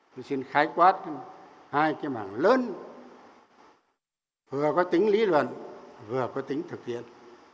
tôi xin khái quát hai cái mảng lớn vừa có tính lý luận vừa có tính thực hiện